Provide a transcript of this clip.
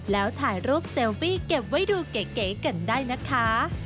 แล้วถ่ายรูปเซลฟี่เก็บไว้ดูเก๋กันได้นะคะ